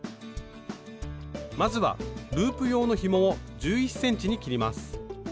まずはループ用のひもを１１ｃｍに切ります。